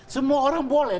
semua orang boleh